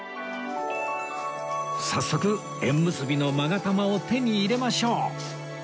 早速縁結びの勾玉を手に入れましょう！